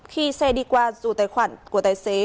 khi xe đi qua dù tài khoản của tài xế